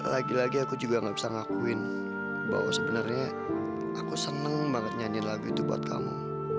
lagi lagi aku juga gak bisa ngakuin bahwa sebenarnya aku seneng banget nyanyi lagu itu buat kamu